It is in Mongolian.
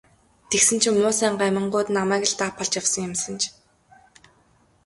Тэгсэн чинь муусайн гамингууд намайг л даапаалж явсан юм санж.